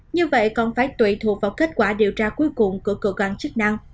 như vậy còn phải tùy thuộc vào kết quả điều tra cuối cùng của cơ quan chức năng